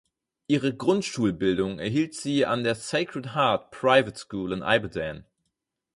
Ihre Grundschulbildung erhielt sie an der Sacred Heart Private School in Ibadan.